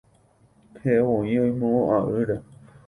Ha'evoi oimo'ã'ỹre.